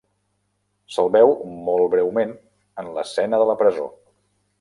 Se'l veu molt breument en l'escena de la presó.